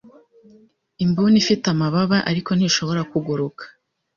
Imbuni ifite amababa, ariko ntishobora kuguruka.